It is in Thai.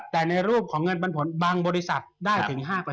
แต่ในรูปของเงินปันผลบางบริษัทได้ถึง๕